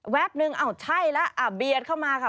นึงอ้าวใช่แล้วอ่ะเบียดเข้ามาค่ะ